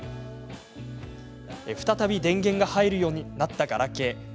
再び電源が入るようになったガラケー。